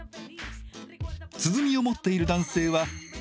鼓を持っている男性は「男芸者」。